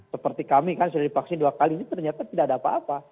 seperti kami kan sudah divaksin dua kali ini ternyata tidak ada apa apa